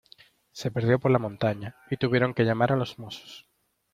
Se perdió por la montaña y tuvieron que llamar a los Mossos.